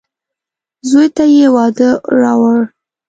زوی ته يې واده راووړ.